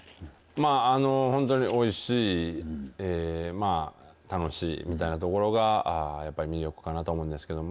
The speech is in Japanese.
本当においしい楽しいみたいなところがやっぱり魅力かなと思うんですけれども。